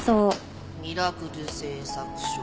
「ミラクル製作所」。